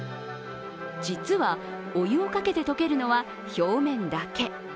実は、お湯をかけてとけるのは表面だけ。